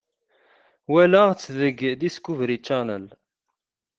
Walaɣ-tt deg Discovery Channel.